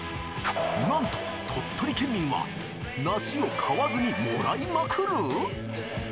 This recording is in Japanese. なんと鳥取県民は梨を買わずにもらいまくる！？